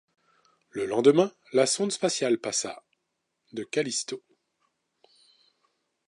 Le lendemain la sonde spatiale passe à de Callisto.